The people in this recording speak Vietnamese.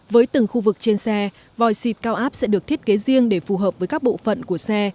với từng khu vực trên xe vòi xịt cao áp sẽ được thiết kế riêng để phù hợp với các bộ phận của xe